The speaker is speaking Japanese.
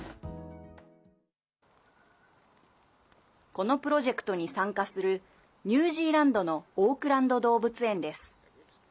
このプロジェクトに参加するニュージーランドのオークランド動物園です。